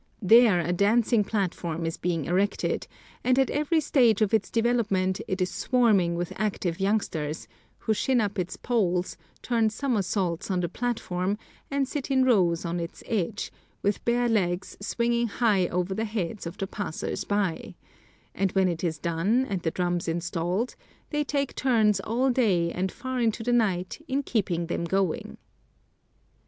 There a dancing platform is being erected, and at every stage of its development it is swarming with active youngsters, who shin up its poles, turn somersaults on the platform, and sit in rows on its edge, with bare legs swinging high over the heads of the passers by; and when it is done, and the drums installed, they take turns all day and far into the night in keeping them going.